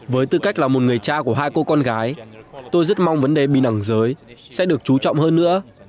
với tư cách là một người cha của hai cô con gái tôi rất mong vấn đề bình đẳng giới sẽ được chú trọng hơn nữa